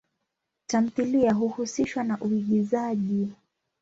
Tamthilia huhusishwa na uigizaji.